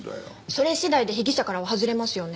それ次第で被疑者からは外れますよね。